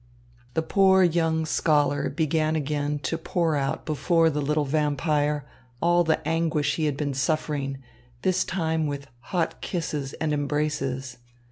The poor young scholar began again to pour out before the little vampire all the anguish he had been suffering, this time with hot kisses and embraces.